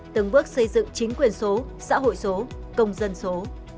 từng bước xây dựng chính quyền số xã hội số công dân số